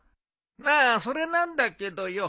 なあそれなんだけどよ